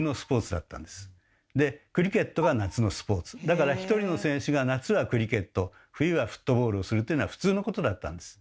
だから１人の選手が夏はクリケット冬はフットボールをするというのは普通のことだったんです。